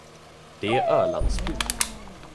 Det är Ölandsspigg.